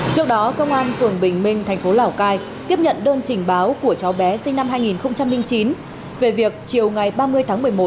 trước đó công an phường bình minh thành phố lào cai tiếp nhận đơn trình báo của cháu bé sinh năm hai nghìn chín về việc chiều ngày ba mươi tháng một mươi một